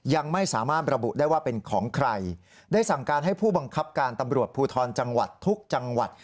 ยังไม่สามารถระบุได้ว่าเป็นของใครได้สั่งการให้ผู้บังคับการตำรวจภูทรจังหวัดทุกจังหวัด